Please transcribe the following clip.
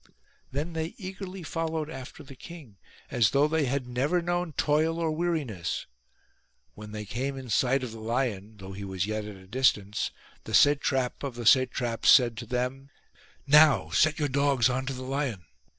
Then they eagerly followed after the king as though they had never known toil or weariness. When they came in sight of the lion, though he was yet at a distance, the satrap of the satraps said to them :" Now set your dogs on to the lion."